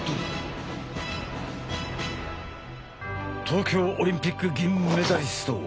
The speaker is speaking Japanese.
東京オリンピック銀メダリスト